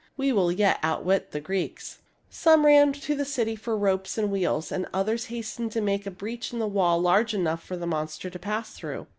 We will yet out wit the Greeks !" Some ran to the city for ropes and wheels, and others hastened to make a breach in the wall large enough for the monster to pass through.